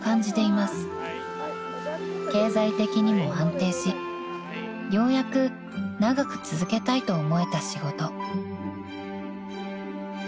［経済的にも安定しようやく長く続けたいと思えた仕事］